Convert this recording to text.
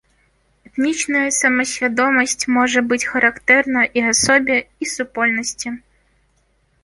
Этнічная самасвядомасць можа быць характэрна і асобе, і супольнасці.